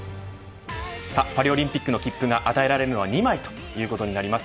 さあパリオリンピックの切符が与えられるのは２枚ということになります。